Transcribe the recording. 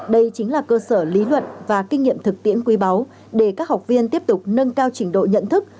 đây chính là cơ sở lý luận và kinh nghiệm thực tiễn quý báu để các học viên tiếp tục nâng cao trình độ nhận thức